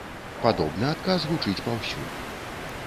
Падобны адказ гучыць паўсюль.